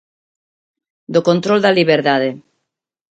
Do control da liberdade.